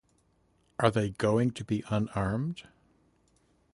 Are they going to be unarmed?